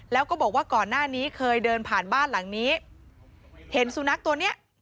แล้วก็บอกว่าก่อนหน้านี้เคยเดินผ่านบ้านหลังนี้เห็นสุนัขตัวเนี้ย